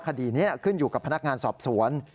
คดีนี้ขึ้นอยู่กับพนักงานสอบสวน